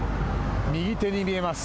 右手に見えます